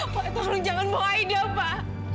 pak tolong jangan bawa aida pak